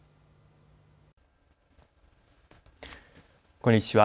こんにちは。